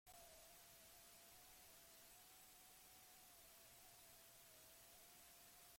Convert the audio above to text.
Salamonek leitu du txostenean eta ahaztu da kontuaz.